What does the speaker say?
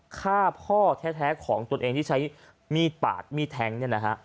ฆ่าพ่อแท้ของตนเองที่ใช้มีดปาดมีดแทงเนี่ยนะฮะ